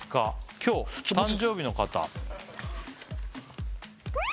今日誕生日の方あ